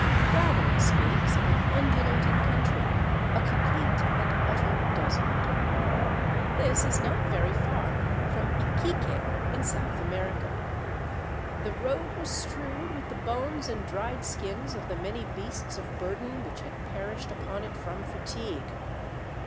Darwin speaks of "an undulating country, a complete and utter desert." This is not very far from Iquique in South America. "The road was strewed with the bones and dried skins of the many beasts of burden which had perished upon it from fatigue.